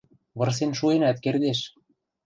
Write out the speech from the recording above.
Вырсен шуэнӓт кердеш.